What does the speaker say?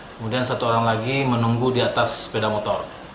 kemudian satu orang lagi menunggu di atas sepeda motor